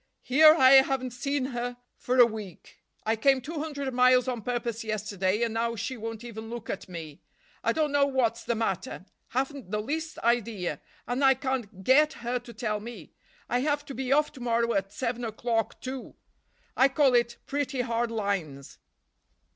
"Here I haven't seen her for a week—I came two hundred miles on purpose yesterday, and now she won't even look at me. I don't know what's the matter—haven't the least idea—and I can't get her to tell me. I have to be off to morrow at seven o'clock, too—I call it pretty hard lines."